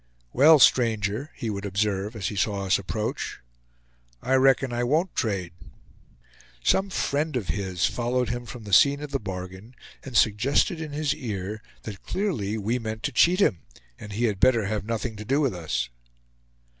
"Well, stranger," he would observe, as he saw us approach, "I reckon I won't trade!" Some friend of his followed him from the scene of the bargain and suggested in his ear, that clearly we meant to cheat him, and he had better have nothing to do with us.